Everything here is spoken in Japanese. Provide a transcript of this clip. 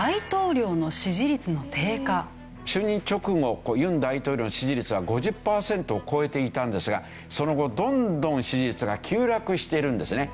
就任直後尹大統領の支持率は５０パーセントを超えていたんですがその後どんどん支持率が急落しているんですね。